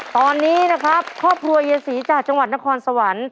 ตอนนี้นะครับครอบครัวเยศรีจากจังหวัดนครสวรรค์